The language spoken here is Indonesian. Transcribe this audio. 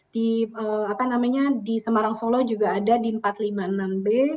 di semarang solo juga ada di empat ratus lima puluh enam b